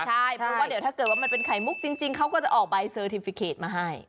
ใช่เพราะว่าเดี๋ยวถ้าเกิดว่ามันเป็นไข่มุกจริงเขาก็จะออกใบเซอร์ทิมฟิเขตมาให้